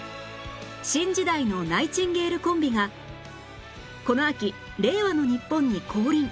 新時代のナイチンゲールコンビがこの秋令和の日本に降臨